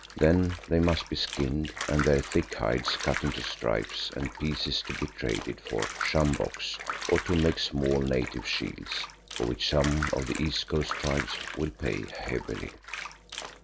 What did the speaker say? Then they must be skinned and their thick hides cut into strips and pieces to be traded for sjamboks or to make small native shields for which some of the East Coast tribes will pay heavily.